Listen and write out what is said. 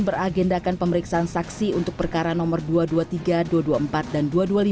beragendakan pemeriksaan saksi untuk perkara nomor dua ratus dua puluh tiga dua ratus dua puluh empat dan dua ratus dua puluh lima